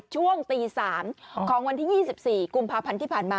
ช่วงตี๓ของวันที่๒๔กุมภาพันธ์ที่ผ่านมา